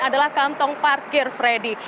adalah kantong parkir freddy